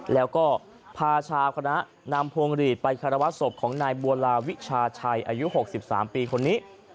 แล้วก็พาชาวคณะนำพวงหลีดไปคารวะศพของนายบัวลาวิชาชัยอายุ๖๓ปีคนนี้